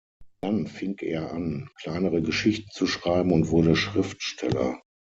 Dann fing er an, kleinere Geschichten zu schreiben und wurde Schriftsteller.